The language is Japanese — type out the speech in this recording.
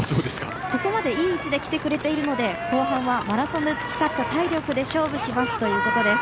ここまで、いい位置で来てくれているので後半はマラソンで培った体力で勝負しますということです。